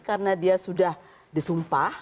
karena dia sudah disumpah